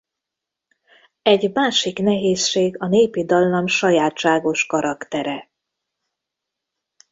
Egy másik nehézség a népi dallam sajátságos karaktere.